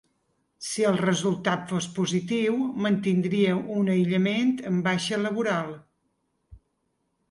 Si el resultat fos positiu, mantindria un aïllament amb baixa laboral.